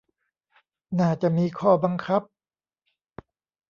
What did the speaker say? น่าจะมีข้อบังคับ